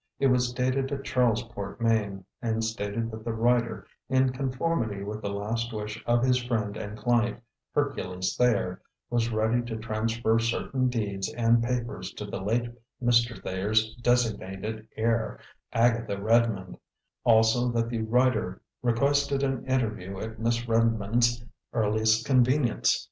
It was dated at Charlesport, Maine, and stated that the writer, in conformity with the last wish of his friend and client, Hercules Thayer, was ready to transfer certain deeds and papers to the late Mr. Thayer's designated heir, Agatha Redmond; also that the writer requested an interview at Miss Redmond's earliest convenience.